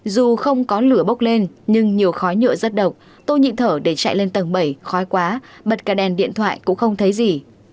dù không có lửa bốc lên nhưng nhiều khói nhựa rất độc tôi nhịn thở để chạy lên tầng bảy khói quá bật cả đèn điện thoại cũng không thấy gì